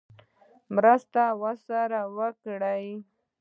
مرسته راسره وکړي.